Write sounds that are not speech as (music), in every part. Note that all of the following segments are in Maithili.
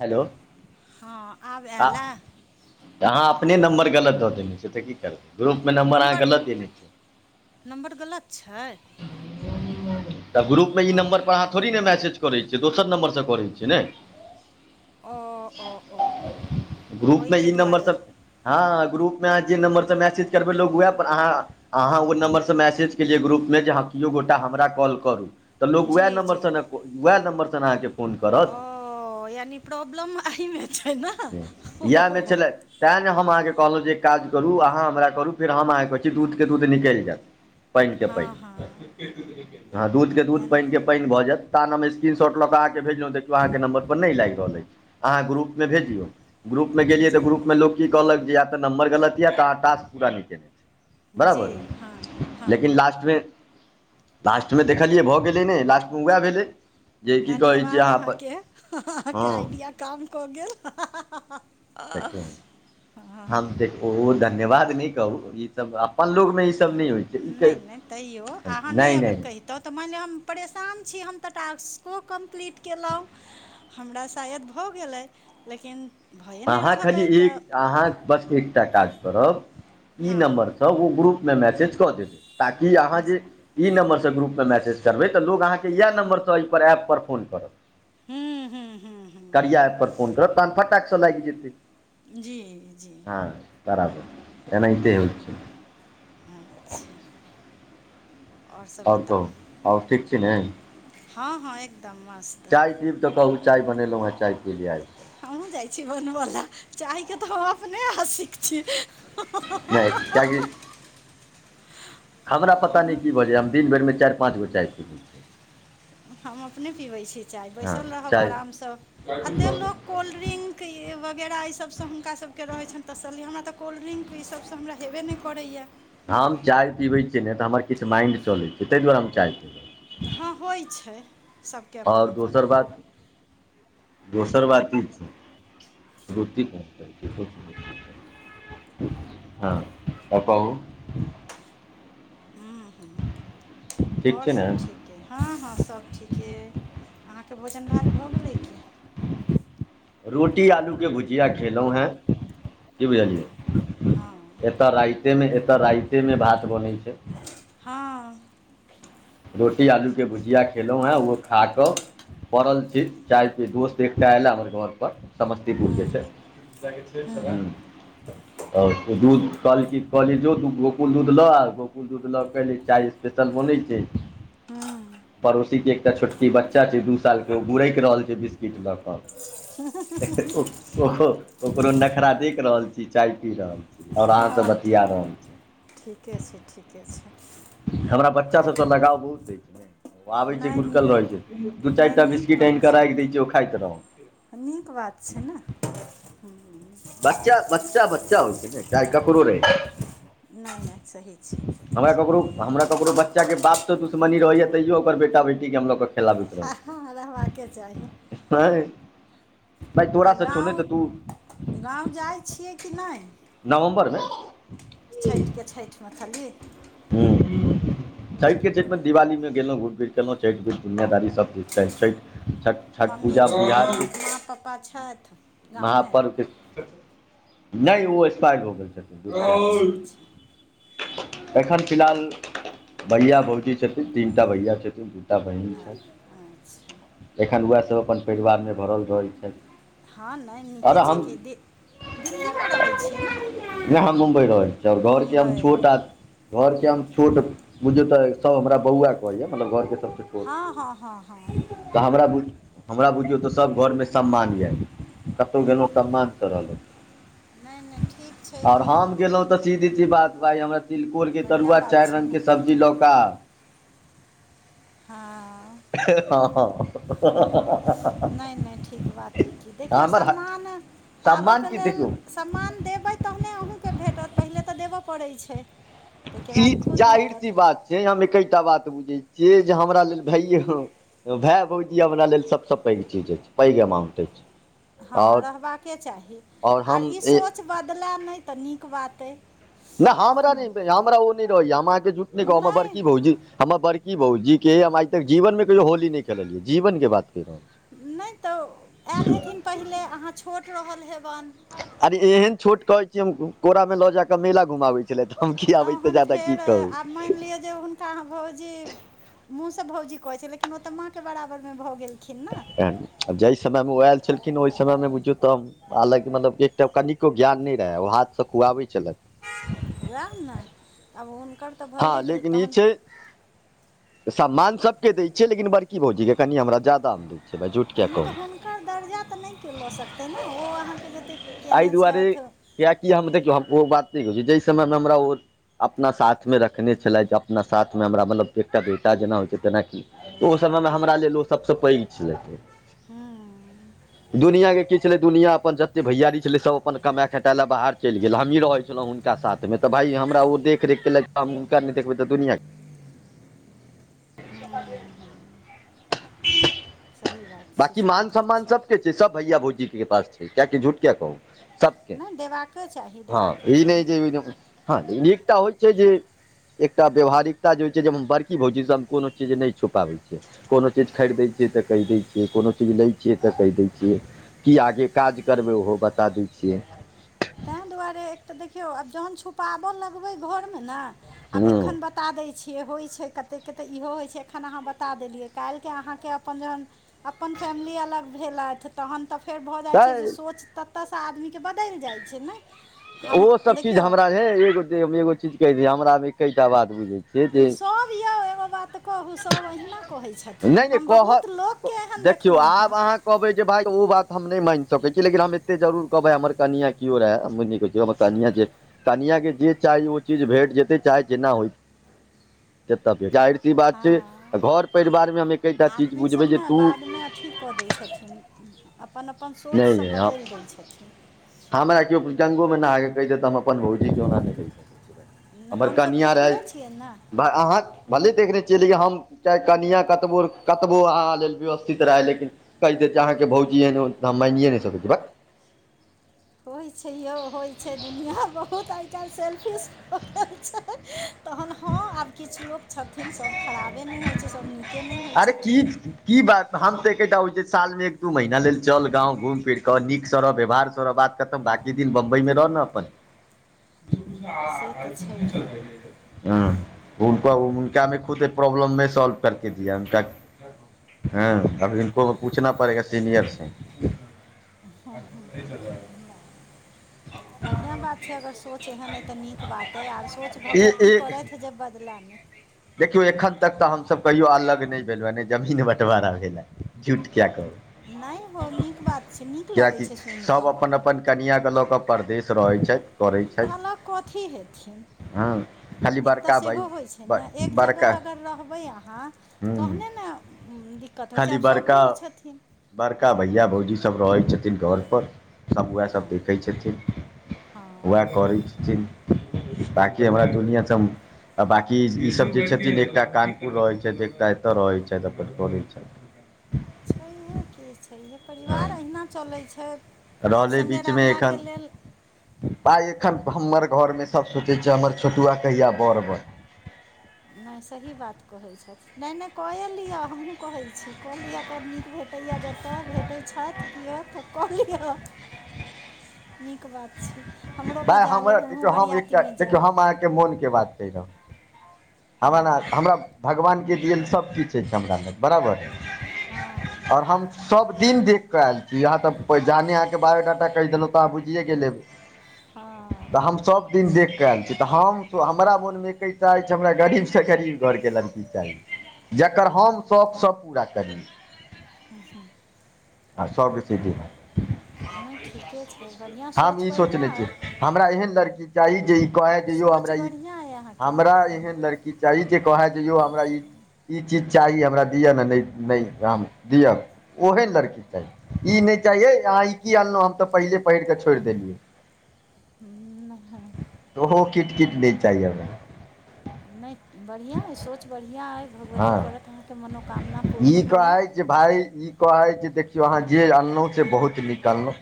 हेलो हँ आब आ आयल ए? तऽ अहाँ अपने नम्बर गलत दऽ देने छियै तऽ की करबै ग्रुप मे नम्बर अहाँ गलत देने छियै नम्बर गलत छै तऽ ग्रुप मे ई ओ नम्बर पर अहाँ थोड़े नहि मैसेज करै छियै दोसर नम्बरसँ करैत छियै नय अ अ अ अ ओहिके दुआरे ह ग्रुप मे अहाँ जे नम्बर सँ मैसेज करबै लोग उएहपर अहाँ अहाँ उ नंबर से मैसेज केलिये ग्रुप मे ह कियो गोटा हमरा कॉल करू तऽ लोग जी वएह जी नंबरसँ नय वएह नंबर सँ न अहाँके फोन ओ करत यानि प्रॉब्लम अहिमेै छै नय या न छलै तऽ नय हम अहाँकेँ कहलहुँ जे एक काज करू अहाँ हमरा करू फेर हम अहाँके कहैत छी दूधके दूध निकैल जायत पाईन के हँ पाईन हँ ह दूध के दूध के पाईन के यानि पाईन भऽ जायत तऽ नाम स्क्रीन शॉट लऽ केऽ अहाँके भेजलुँ देखियौ अहाँके नंबर पर नय लाएग रहल ऐछ अहाँ ग्रुप मे भेजियौ ग्रुप मे गेलियै तऽ जी ग्रुपमे लोक की कहलक जे या तऽ नम्बर गलत यऽ तऽ अहाँ टास्क पूरा नय केने जी बराबर हँ हँ लेकिन लास्ट मे लास्ट मे देखलियै भऽ गेलै नहि लास्टमे वाएह भेलै जे की कहै छै धन्यवाद अहाँपर अहाँके अहाँके हँ आइडिया काम कऽ गेल आहँ ह ह ह ओह धन्यवाद नय कहू ई सब अपन लोग मे ई नय नय तैयो अहाँ नहि अगर कैहि तऽ तऽ मानि लिअ हम परेशान छी हम तऽ टास्को कम्प्लीट केलौ हमरा शायद भऽ गेलै लेकिन भए नहि अहाँ रहल खाली अइ एक तऽ अहाँ बस एकटा काज करब ई हँ हँ नम्बरसँ ओ ग्रुप या मैसेज कऽ देब ताकि अहाँ ज- जे ई नम्बरसँ ग्रुप मे मैसेज करबै तऽ लोग अहाँके इएह नम्बरसँ एहिपर एप पर फोन करत हूँ हूँ हूँ हूँ करिया हूँ एप फोन करब तहन फटाक से लाएग जेतै जी हँ बराबर एनाहिते ह होइ छै अच्छा सब आओर बताउ कहू आओर ठीक छी ने हँ हँ एकदम मस्त अब तऽ कहू चाय बनेलौं हें चाय पि लिए आइ हमहुँ जाइ छी बनबऽ ला चाय के तऽ हम अपने आशिक छी नय कियाकि हमरा पता नय हम की भऽ जाइया हम दिन भरिमे चारि पाँच बेर चाय पीबै छियै हम अपने पीबै छीयै चाय बैसल रहब चाय आराम सँ एतेक लोक कोल्ड्रिंक वगैरह ई सबसँ हुनका सभ के रहै छनि तसल्ली हमरा तऽ कोल्ड्रिंक तऽ ई सबसँ हमरा हेबे नय करैया हम चाय पीबै छियै ने तऽ हमर किछ माइंड चलै छै तई दुआरे हम चाय पीबै हँ होइ छै सभके अपन आओर अपन दोसर बात दोसर बात ई छै रुती हँ आ कहु हूं हूं ठीक आओर छै ने सब ठीक अइ हँ हँ सब ठीके अइ अहाँके भोजन भात भऽ गेलै कि रोटी आलूके भुजिया खेलौं हेँ की हँ बुझलियै हँ एतऽ राइते मे एतऽ राइते मे भात बनै छै हँ रोटी आलूके भुजिया खेलौं हेँ ओ खा कऽ पड़ल छी चाय के दोस्त एकटा एयला हमर घर पर समस्तीपुर के छै कहय छै चलै हुं आओर दूध कल कली जो गोकुल दूध लऽ आ गोकुल दूध लऽ कऽ एलै चाय स्पेशल बनै छै पड़ोसी के एकटा छोटकी बच्चा छै दू साल के ओ गुरकि रहल छै बिस्किट लऽ कऽ ओकरो नखरा देख रहल छी चाय पी रहल छी आओर ह सब बतिया ठीक रहल छी ठीके छै ठीके छै हमरा बच्चा सब तो लगाव बहुत अछि ने ओ आबै छै नहि घुुरकल रहै छै दू चारि नहि टा नीक बिस्किट बात आनि के राखि दय छै ओ खाइत रहौ नीक बात छै न हूं बच्चा बच्चा बच्चा होइ छै ने चाहे ककरो रहै नय नय सही छै सही हमरा छै ककरो हमरा ककरो बच्चाके बापसँ दुश्मनी रहैया तैयो ओकर बेटा बेटी के हम लऽ कऽ खेलाबैत रहै हँ हँ रहबाके चाही छै नय तऽ गाँव गाँव जाइ छियै कि नय नवम्बर मे छठि के छठि मे खाली हूं हूं छठि चलू छठि मे बढ़िआँ दिवाली मे गेलौं घूमि फिर क गेलौं छठि मे दुनियादारी सब देख छठि छठि छठ मम्मी पूजा छ बिहार माँ के माँ पप्पा छथि गाँवमे महापर्व के नहि ओ स्पा (unintelligible) यर हो गेल छै अच्छा अच्छा एखन फिलहाल भैया भौजी छथिन तीनटा भैया छथिन एकटा बहिन आ- अच्छा छथि एखन ओएह सब अपन परिवार मे भरल रहै छथि हँ नय अरे नीके हम छै कि दे दिल्ली मे रहै छियै ने नहि हम मुम्बई मुम्बई घर के हम छोट बुझू तऽ सब हमरा बौआ कहैया मतलब घर के सबसँ हँ हँ हँ हँ त हमरा बुझ हमरा बुझियो त सभ घर मे सम्मान य कतौ गेलौं हँ तब मन चलहु नहि नहि ठीक छै आओर कि हम गेलौं तऽ सीधी छी बात भइ हमरा तिलकोर के बढ़िआँ तरुआ बात चारि छै ने रंग के सब्जी लऽ कऽ आ हं आउ हं हं नय नय ठीक बात अइ क देखियो हमर सम्मान पाबऽ सम्मान के की लेल देखियौ समान देबै तहने अहुँ के भेटत पहिले त देबऽ पड़ै छै ताहिके ई बाद खुद जाहिर भेटत सी बात छै हम एकेटा बात बुझै छिये जे हमरा लेल भइये भेऽ भौजी हमरा लेल सब सऽ पगि चीज अछि पगि अमाउंट अछि हं आओर रहबाके चाही आओर आर ई हम सोच बदलेऽ नय त नीक बात अइ नय हमरा ने हमरा ओ ने रहेया हम अहाँ के जुट नै कहब हम नहि बड़की भौजी हमर बड़की भौजी के हम आइ तक जीवन मे कहियो होली नै खेल लिये जीवन के बात कहि रहल छी नै तऽ आयल हेथिन पहिले अहाँ छोट रहल हेबन आर एहेन छोट कहे छी हम कोरा में लो जा के मेला घुमा वे त हन फेर आब मैयन लिअ जे तऽ भौजी मुँह से भौजी कहे छीयेओतऽ लेकिन ओ त माँ के बराबर में भ गेलखिन ने जै समय मे ओ आयल छल खिन ओहि समय मे बुझियो त हम हालाँकि मतलब एकटा कनिको ज्ञान नय रहे ओ हाथ से खुआबैत छलथि वएह ने अब हुनकर तऽ हा भइए गेल लेकिन ई तहन छै सम्मान सबके दै छियै लेकिन बड़की भौजी के कनि हमरा जादामे दे आ ने त हुनकर दर्जा त ने केओ ल सकतै ने ओ अहाँ के जते एहि केने दुआरे छथि कियाकि हम देखियो हम ओ बात नय कहै छी जय समय मे हमरा ओ अपना साथ साथ मे रखने छलथि जे अपना साथ मे हमरा मतलब एकटा बेटा जेना होइ छै तेनाकि त ओ समय मे हमरा लेल ओ सबसे पगि छलैथ ओ हम्म, दुनिया के की छलै दुनियां अपन जते भैयरी छलै सब अपन कमेय खटे ले बाहर चलि गेल हमही रहल छलौं हुँ नका साथ मे त भाय हमरा ओ देख रेख केलथि हुनका नय देखबै त दुनिया के आ हम्म, सही बात छै बाकी सही मान बात सम्मान सबके छै सब भैया भौजी के पास छै किआकि झूठ किया कहू सबके नहि देबाके चाही देबाके हं ई नय चाही जे हँ एकटा होइ छै जे एकटा व्यवहारिकता जे होइ छै जे बड़की भौजी सऽ हम कोनो चीज नय छुपाबै छियै कोनो चीज खरीदै छियै त कहि दै छियै जे कोनो चीज लै छियै त कहि दै छियै की आगे काज करबै ओहो बता दै छियै तें दुआरे एक त देखियो आब जहन छुपाबऽ लगबै घर मे ने आब हँ एखन ब ता दै छियै होइ छै कतेक के त इहो होइ छै एखन अहाँ बता देलियै काल्हि के अहाँ के अपन जहन अपन फैमिली अलग भेलैथ तहन त फेर भ जाइ छै जे तऽ सोच तत से आदमी के बदलि जाइ छै नय ओ सब चीज हमरा नय एगो देब हम एगो चीज केँ दै हमरा मे एकेटा बात बुझै छियै जे सभ यौ एगो बात कहू सभ अहिना कहे छथिन हम बहुत लोक ओ देखियो अब अहाँ कहबे जे भाय ओ बात हम नय माइन सकै छी लेकिन हम एते जरूर कहबे हमर कनिया कियो रहै हम नय देखियो हमर कनिया जे कनिया केँ जे चाही ओ चीज भेट जेते चाहे जेना होइ जेतऽ सँ जाहिर सी बात छे हँ घर परिवार मे हम एकेटा चीज बुझबै जे तू क दे छथिन अपन - अपन सोच नहि सभ है, बदैल दै छथिन हमरा किओ गूंगो मे नहा कऽ कैह दैत तऽ हम अपन भौजी केँ ओना नय कैह स हमसब देखले छिये नऽ माय अहाँक भले देखने छिये लिए हम चाहे कनिया कतबो कतबो अहाँ लेल व्यवस्थित रहै लेकिन कहि दैत जे अहाँकेँ भौजी ऐहन - ओहेन तऽ हम मानिये नय सकै छि भक होइ छै यै होइ छै दुनिया बहुत आइ काइल सेलफिश हो गेल छै तहत हँ आब किछ लोक छथिन सभ खराबे नइ होइ छै सभ नीके नय होइ अरे की छथिन की बात हम तऽ एकेटा आबै छियै साल मे एक दू महीना लेल चल गांव घुम फिर कऽ नीक सँ रह व्यवहार तोरा बाद कतऽ बाकी दिन बम्बई मे रह नऽ अपन। (unintelligible) से तऽ छैहे हुँ हनको हुनकामे खुद प्रॉब्लममे सॉल्व करके दिया क्याकी हँ आब इनको को पूछना पड़ेगा सीनियर से हँ हँ ई नय बढ़िया बात छै अगर सोच एहन अइ तऽ नीक बात अइ आर सोच भगवती करैथ जे बदला नय देखियौ एखन तक तऽ हमसभ कहियो अलग नय भेलहु हँ नय जमीन बँटवारा भेल हँ, झूठ क्या कहु नय हो नीक बात छै नीक लगै छै सुइनक कऽ। कनिया कऽ के लऽ कऽ परदेश रहैत छथि, करै तऽ छथि अलग कथी हेथिन हँ खाली एकटा बड़का भाय सेहो होइ नऽ एक बड़का जगह अगर रहबै अहाँ हँ तहने ने दि खाली बड़का बड़का भैया भौजी सब रहै छथिन घर पर सभ वैह सभ हँ देखैत छथिन वैह हँ करै छथिन ताकि हमरा दुनिया सँ हम आ बाकी ई सब जे छथिन एकटा कानपुर रहै छैथ एकटा एतऽ रहै छैथ अपन करै (inaudible) छैहे की छैहे हँ परिवार अहिना चलै छै एक संगे रहला केँ लेल आइ एखन हमर घरमे सभ सोचै छै हमर छोटुआ कहिया बर बन नय सही बात कहै छथि नय - नय कए लिअ हमहूँ कहै छी कए लिअ कतऽ नीक भेटै यऽ जतऽ भेटै छैथ किओ तऽ कऽ लिअ नीक बात छै हमरो भाय बजा लेब हमहुँ बरियातीमे जैब से मोन केँ बात छै नऽ हमरा नय हँ हमरा भगवान केँ दिएल सब किछ अछि हमरा लग बराबर हँ आओर हम सभ दिन देख कऽ आयल छी अहाँ तऽ जहने अहाँकेँ बायोडाटा कैह देलहुँ तऽ अहाँ बुझिए गेल हेबै तऽ हँ हम सभदिन देख कऽ आयल छी, तऽ हम सो हमरा मोनमे एकैहिटा अछि हमरा गरीब से गरीब घरके लड़की चाही जकर हम शौक सब पूरा करी अच्छा आ सब बेसी (unintelligible) नय ठीके छै बढ़ियाँ हम सोच ई बढ़ियाँ सोचने छियै अइ हमरा एहन लड़की चाही जे ई कहे जे यौ सोच हमरा ई बढ़िआँ अइ अहाँके हमरा कोनो एहन लड़की ई जे कहै जे यौ हमरा ई ई चीज चाही हमरा दिअ ने नय नय हम दिअ ओहन लड़की चाही ई नय चाहीे अहाँ ई की आनलौं हम तऽ पहिले पहिर कऽ छोड़ि देलियै। हुँ वैहे तऽ ओहो किट किट नय चाही हमरा नय बढ़ियाँ अइ सोच बढ़ियाँ अइ भगवती करत हँ अहाँके मनोकामना ई पूर्ण हुए। कहै जे भाय ई कहै जे देखियौ अहाँ जे अनलौं से बहुत नीक अनलौं,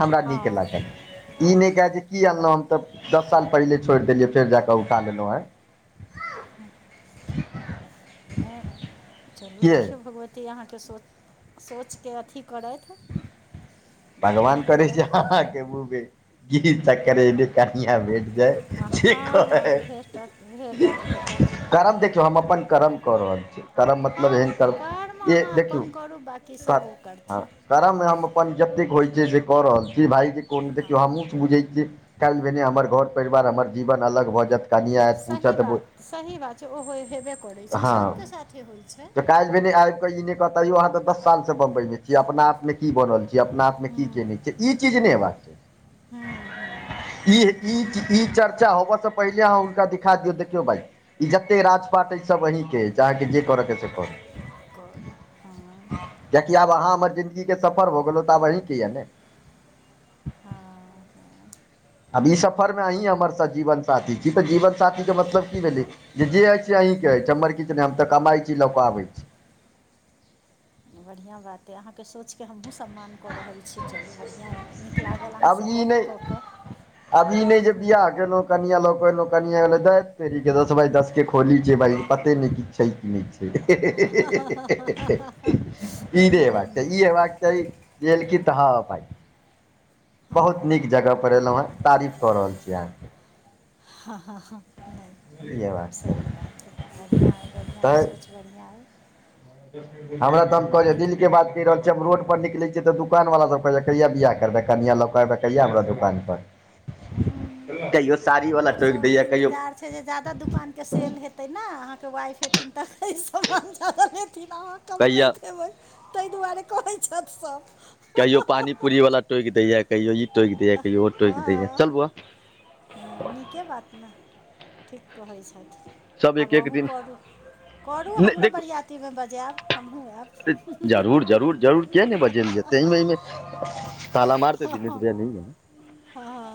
हमरा नीक हँ लागल ई नय कहे जे की अनलौं हम तऽ दस साल पहिले छोड़ि देलियै फेर जा कऽ उठा लेलौं हेँ। हँ नय चलू के देखियौ भगवती एते अहाँके सोच सोचके अथी करथि बढ़िआँ भगवान करै हुए छै अहाँके मुँह मे घी सक्कर एहने कनियाँ भेट जाय आ जे हँ हँ कहै। भेटत भेटत भेटत करम देखियौ हम अपन करम कऽ रहल छी, करम मतलब हँ एहन करब कर्म ए अहाँ देखियौ अपन करू बाँकी कर सभ ओ हँ, करथिन करम हम अपन जतेक होइ छै जे कऽ रहल छी भाय जे कोन देखियौ हँ हमहूँ बुझै छियै। काइल भेने हमर घर परिवार हमर जीवन अलग भऽ जेत। सही बात सही बात छै ओहो हेबे करै छै सबके साथे होइ छै। काइल भेने आइब कऽ इ नय कहतै यौ अहाँ तऽ दश सालसँ बंबई मे छीयै अपना आपमे की बनल छी। जे अपना आपमे की केने छियै इ चीज नय होबाक चाही। हँ हँ। ई ई ई चर्चा होव से पहिले अहाँ हुनका दिखा दियौ देखियौ भाई। ई जते राज पाट अछि सब अहीँके अछि अहाँके जे करके अय से करु। कर हँ। कियेकि आब अहाँ हमर जिन्दगी के सफर भऽ गेलौं तऽ आब अहीँके यए ने। हँ हँ। आब ई सफरमे अहीँ हमर सजीवन साथी छी तऽ जीवन साथीके मतलब की भेलै। जे जे अछि से अहीँके अछि हमर किछु नय हम तऽ कमाइ छी लऽ कऽ आबै छी। बढ़ियाँ बात अय अहाँ के सोच के हमहुँ सम्मान कऽ रहल छी। चलू बढ़ियाँ अइ नीक लागल अहाँ आब सँ ई गप्प कऽ नहि कऽ। आब ई नय जे बियाह केलौं कनियाँ लऽ कऽ एलौं कनियाँ एलै दय तेरीके दस बाइ दस के खोली छै भाई। पते नय किछ छै कि नय छै। ई नय नहि हेबाक नहि चाही ई हेबाक चाही। जेे एलखित ह भाइ। बहुत हँ नीक हँ जगह पर एलौं हें तारीफ कऽ रहल छी अहाँके। नय ई बात सही बात हँ बढ़ियाँ अय बढ़ियाँ अय तऽ सोच। बढ़ियाँ अय। हमरा तऽ हम कहलियै दिल के लगै बात कहि रहल। जब रोड पर निकलै छियै तऽ दुकान वाला पहिने कहिया बियाह करबै कनियाँ लऽ कऽ अबै कहिया हमरा दुकान पर। हूँ कहियो साड़ी वला टोक दैया कहियो छैय जादा दोकान के सेल हेतै नय अहाक वाइफ हेथिन तय समान जादा लेथिन थि अहाँ कम कहिया लैत हेबै ताहि दुआरे कहै छैथ सब कहियो पानीपुरी वाला टोक देयए कहियो इ टोक देयए अह, कहियो उहो टोक देयए चल बोआ ह नीके बात न ठीक कहैत छैथ सब आब एक एक अहु दिन करू करू नहि हमरो देखियौ बरियाती मे बजायब हमहु जरूर जरूर ऐब जरूर किया ने बजेल जेते एमे एमे ताला मारतै दिनेश हँ भैया नही है न हँ